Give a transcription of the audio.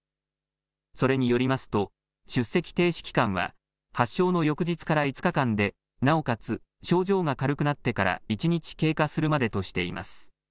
それによりますと出席停止期間は発症の翌日から５日間でなおかつ症状が軽くなってから１日経過するまでとしています。